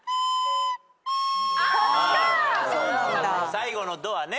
最後のドはね